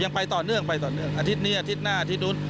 ไปต่อเนื่องไปต่อเนื่องอาทิตย์นี้อาทิตย์หน้าอาทิตย์นู้น